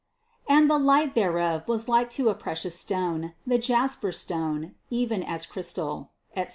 269. "And the light thereof was like to a precious stone, the jasper stone, even as crystal," etc.